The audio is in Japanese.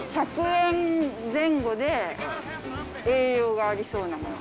１００円前後で、栄養がありそうなもの。